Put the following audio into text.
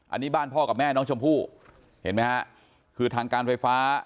อันนี้บ้านพ่อกับแม่น้องชมพู่เห็นไหมฮะคือทางการไฟฟ้า